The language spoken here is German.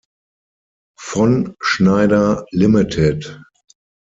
Von Schneider Ltd.